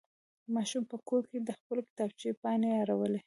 ماشوم په کور کې د خپلې کتابچې پاڼې اړولې.